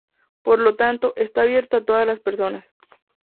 Por lo tanto, está abierta a todas las personas.